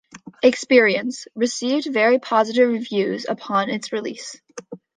"Experience" received very positive reviews upon its release.